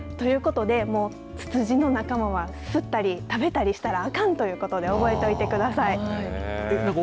ということで、つつじの仲間は吸ったり食べたりしたらあかんということで覚えといてください。